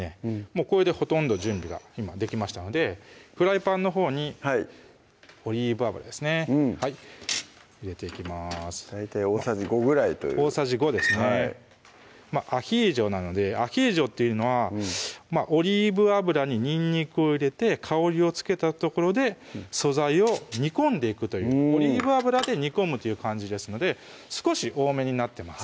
これでほとんど準備が今できましたのでフライパンのほうにオリーブ油ですね入れていきます大体大さじ５ぐらいという大さじ５ですね「アヒージョ」なのでアヒージョっていうのはオリーブ油ににんにくを入れて香りをつけたところで素材を煮込んでいくというオリーブ油で煮込むという感じですので少し多めになってます